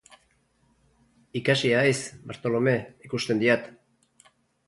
Ikasia haiz, Bartolome, ikusten diat.